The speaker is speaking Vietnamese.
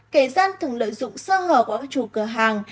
kể dân thường lợi dụng sơ hở của các chủ cửa hàng